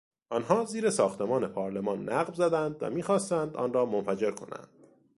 آنها زیر ساختمان پارلمان نقب زدند و میخواستند آن را منفجر کنند.